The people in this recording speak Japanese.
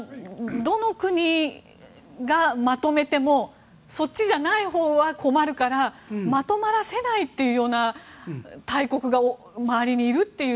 どの国がまとめてもそっちじゃないほうは困るからまとまらせないというような大国が周りにいるという。